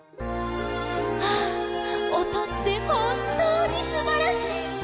あおとってほんとうにすばらしい！